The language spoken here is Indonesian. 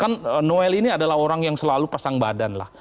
karena noel ini adalah orang yang selalu pasang badan lah